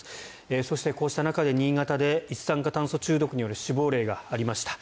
そして、こうした中で新潟で一酸化炭素中毒による死亡例がありました。